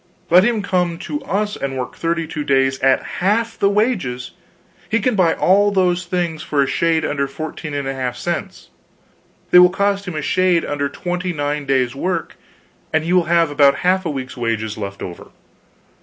Let him come to us and work 32 days at half the wages; he can buy all those things for a shade under 14 1/2 cents; they will cost him a shade under 29 days' work, and he will have about half a week's wages over.